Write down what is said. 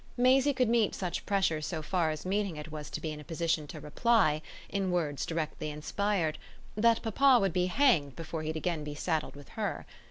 Maisie could meet such pressure so far as meeting it was to be in a position to reply, in words directly inspired, that papa would be hanged before he'd again be saddled with her.